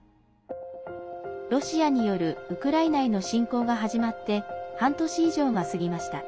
ロシアによるウクライナへの侵攻が始まって半年以上が過ぎました。